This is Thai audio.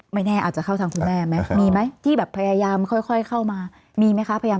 ไม่แน่อาจจะเข้าทางมีไหมที่แบบพยายามค่อยข้อมีไหมคะ